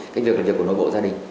cái việc là việc của nội bộ gia đình